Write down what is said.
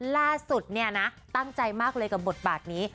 ล่าสุดเนี่ยนะตั้งใจมากเลยกับบทบาทนี้